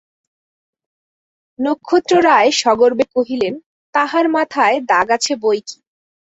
নক্ষত্ররায় সগর্বে কহিলেন, তাহার মাথায় দাগ আছে বৈকি।